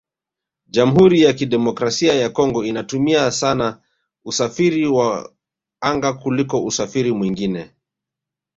Jamhuri ya Kidemokrasia ya Congo inatumia sana usafiri wa anga kuliko usafiri mwingine